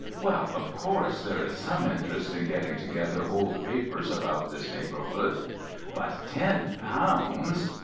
Well, of course, there is some interest in getting together old papers about this neighbourhood. But Ten Pounds!"